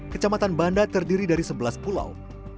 kecamatan banda terdiri dari sebelas pulau